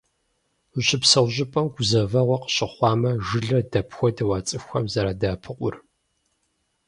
Ущыпсэу щӏыпӏэм гузэвэгъуэ къыщыхъуамэ, жылэр дапхуэдэу а цӏыхухэм зэрадэӏэпыкъур?